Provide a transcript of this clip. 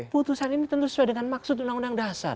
putusan ini tentu sesuai dengan maksud undang undang dasar